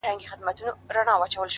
پرېږده چي لمبې پر نزله بلي کړي-